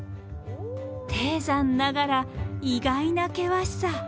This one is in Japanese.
低山ながら意外な険しさ。